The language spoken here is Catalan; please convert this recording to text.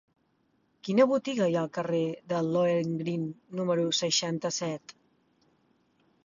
Quina botiga hi ha al carrer de Lohengrin número seixanta-set?